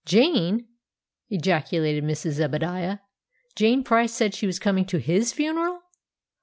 "Jane!" ejaculated Mrs. Zebadiah. "Jane Price said she was coming to his funeral?